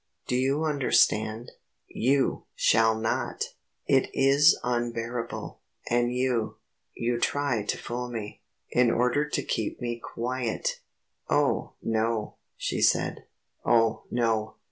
Do you understand, you shall not. It is unbearable ... and you ... you try to fool me ... in order to keep me quiet ..." "Oh, no," she said. "Oh, no."